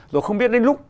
rồi không biết đến lúc